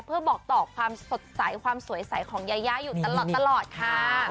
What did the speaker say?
เพื่อบอกต่อความสดใสความสวยใสของยายาอยู่ตลอดค่ะ